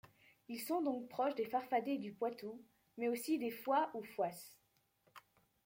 Ils sont donc proches des farfadets du Poitou, mais aussi des Fois ou Fouas.